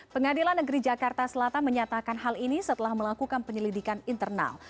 pengadilan negeri jakarta selatan menyatakan hal ini setelah melakukan penyelidikan internal